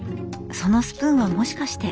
そのスプーンはもしかして！